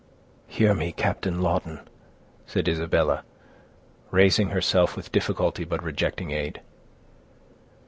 "Hear me, Captain Lawton," said Isabella, raising herself with difficulty, but rejecting aid.